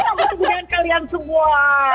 apa kegunaan kalian semua